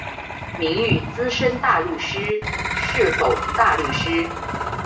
名誉资深大律师是否大律师？